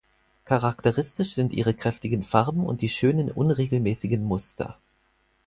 Charakteristisch sind ihre kräftigen Farben und die schönen unregelmäßigen Muster.